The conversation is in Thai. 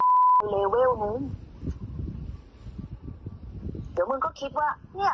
ถ้ามึงก็คิดว่าเนี้ย